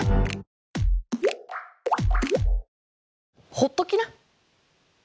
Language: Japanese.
ほっときな。